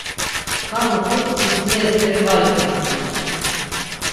Çkar mutu siftineri steri var iqvasinon.